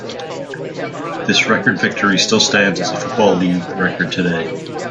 This record victory still stands as a Football League record today.